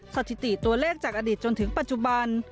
สถิติตัวเลขจากอดีตจนถึงปัจจุบัน